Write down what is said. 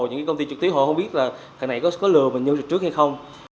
những công ty trực tí họ không biết là cái này có lừa mình như trước hay không